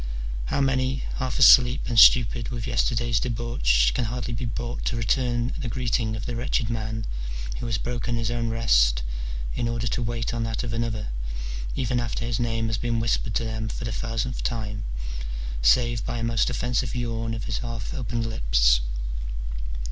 — how many, half asleep and stupid with yesterday's debauch, can hardly be brought to return the greeting of the wretched man who has broken his own rest in order to wait on that of another, even after his name has been whispered to them for the thousandth time, save by a most offensive yawn of his half opened lips.